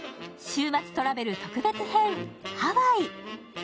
週末トラベル特別編、ハワイ！